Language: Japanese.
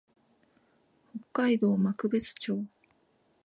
北海道幕別町